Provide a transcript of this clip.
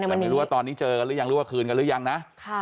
แต่ไม่รู้ว่าตอนนี้เจอกันหรือยังหรือว่าคืนกันหรือยังนะ